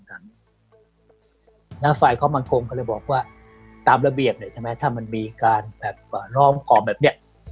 หน้าไฟเขามันกรงก็เลยบอกว่าตามระเบียบถ้ามันมีการล้อมกล่อมแบบนี้